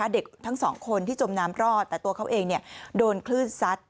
เด็กทั้งสองคนที่จมน้ำรอดแต่ตัวเขาเองโดนคลื่นซัด